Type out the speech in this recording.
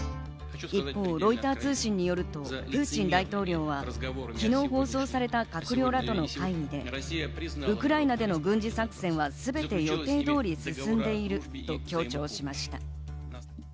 一方、ロイター通信によるとプーチン大統領は、昨日放送された閣僚らとの会議で、ウクライナでの軍事作戦はすべて予定通り進んでいると強調しました。